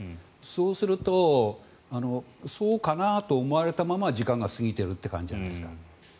そうするとそうかなと思われたまま時間が過ぎているという感じじゃないですか。